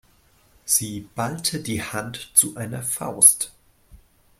Sie ballte die Hand zu einer Faust.